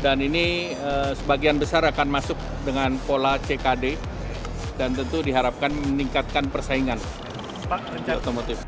dan ini sebagian besar akan masuk dengan pola ckd dan tentu diharapkan meningkatkan persaingan otomotif